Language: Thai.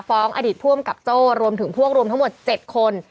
ฟ้องอดีตพ่วงกับโจ้รวมถึงพวกรวมทั้งหมด๗คน